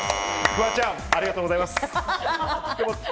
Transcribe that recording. フワちゃん、ありがとうございます。